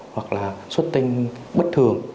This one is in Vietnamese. hoặc là xuất tinh bất thường